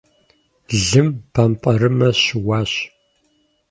Лым бампӏэрымэ щыуащ.